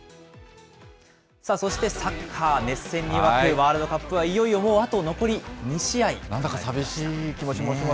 さあ、そしてサッカー、熱戦に沸くワールドカップはいよいよあともう残り２試合となりま